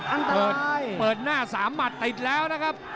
อันตรายเปิดหน้าสามหมดติดแล้วนะครับ